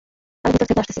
আমি ভেতর থেকে আসতেছি।